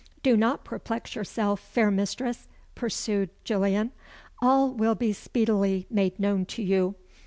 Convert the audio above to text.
"Do not perplex yourself, fair mistress," pursued Gillian. "All will be speedily made known to you.